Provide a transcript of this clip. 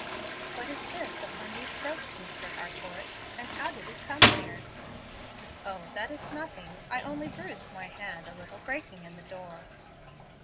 What is this upon these ropes, Mr. Harcourt? and how did it come here?" "O, that is nothing; I only bruised my hand a little breaking in the door."